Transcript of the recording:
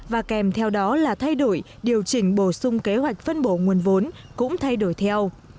và kèm theo đó là thay đổi điều chỉnh bổ sung kế hoạch phân bổ nguồn vốn cũng thay đổi theo